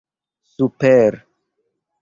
super